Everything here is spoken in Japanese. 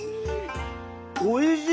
おいしい！